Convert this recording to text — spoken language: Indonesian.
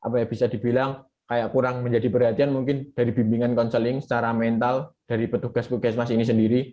pemikiran dari pembimbingan konseling secara mental dari petugas puskesmas ini sendiri